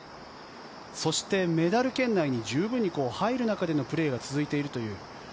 そして、メダル圏内に十分に入る中でのプレーが続いているという。